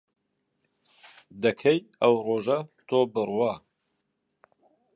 دەکەی ئەو ڕۆژە تۆ بڕوا